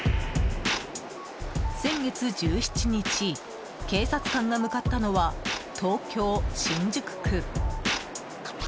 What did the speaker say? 先月１７日、警察官が向かったのは東京・新宿区。